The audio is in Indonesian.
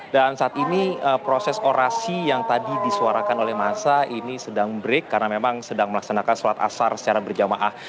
dan saat ini proses orasi yang tadi disuarakan oleh massa ini sedang break karena memang sedang melaksanakan sholat asar secara berjamaah